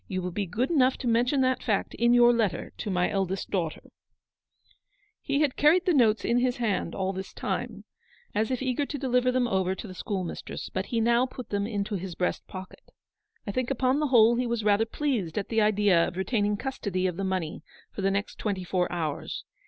You will be good enough to mention that fact in your letter to my eldest daughter," He had carried the notes in his hand all this time, as if eager to deliver them over to the schoolmistress, but he now put them into his breast pocket. I think upon the whole he was rather pleased at the idea of retaining custody of the money for the next twenty four hours.